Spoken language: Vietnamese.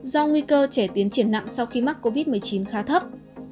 do nguy cơ trẻ tiến triển nặng sau khi mắc covid một mươi chín khá thấp